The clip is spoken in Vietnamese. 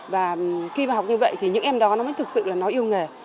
và khi vào học như vậy thì những em đó nó mới thực sự là nó yêu nghề